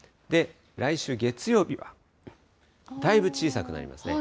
来週月曜日は、だいぶ小さくなりますね。